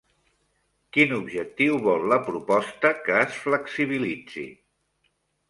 Quin objectiu vol la proposta que es flexibilitzi?